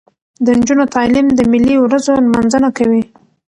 د نجونو تعلیم د ملي ورځو نمانځنه کوي.